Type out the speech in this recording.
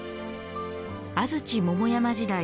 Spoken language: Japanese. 安土桃山時代